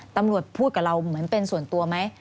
พูดกับเราเหมือนเป็นส่วนตัวไหม